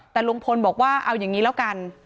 แต่ลุงพลบอกว่าเอาอย่างนี้แล้วกัน